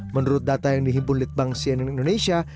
menurut data yang dihimpulit bank siening indonesia